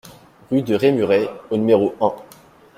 Rue de Rémuret au numéro un